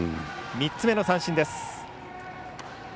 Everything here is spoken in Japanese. ３つ目の三振です。